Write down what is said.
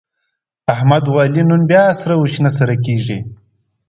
احمد او علي بیا یو بل ته په مټو کې تاوېږي.